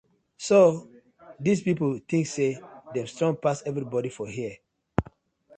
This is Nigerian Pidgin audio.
So dis pipu tink say dem strong pass everibodi for here.